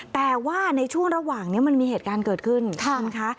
แต่ว่าในช่วงระหว่างนี้มันมีเหตุการณ์เกิดขึ้นคุณคะ